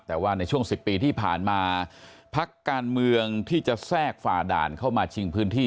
แต่ว่าในช่วง๑๐ปีที่ผ่านมาพักการเมืองที่จะแทรกฝ่าด่านเข้ามาชิงพื้นที่